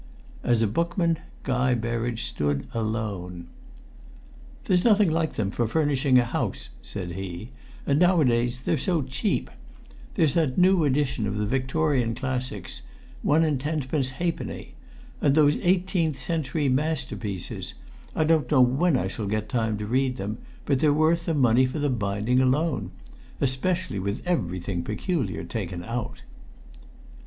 As a bookman Guy Berridge stood alone. "There's nothing like them for furnishing a house," said he; "and nowadays they're so cheap. There's that new series of Victorian Classics one and tenpence halfpenny! And those Eighteenth Century Masterpieces I don't know when I shall get time to read them, but they're worth the money for the binding alone especially with everything peculiar taken out!"